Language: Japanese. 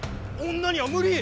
女には無理！